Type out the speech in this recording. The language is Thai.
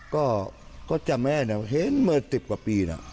ก็ก็จำแม่เนี่ยเห็นเมื่อสิบกว่าปีน่ะ